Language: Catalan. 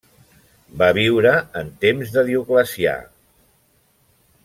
Va viure en temps de Dioclecià.